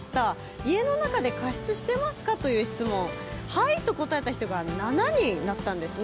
家の中で加湿してますかという質問、はいと答えた人が７人だったんですね。